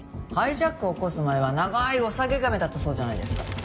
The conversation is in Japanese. ハイジャックを起こす前は長いおさげ髪だったそうじゃないですか。